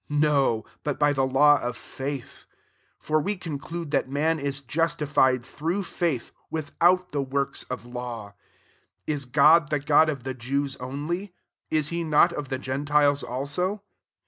No: but by the law of faith. 28 For we conclude that man is justified through faith, without the works of law. 29 /* God the God of the Jews only ? is he not of the gentiles also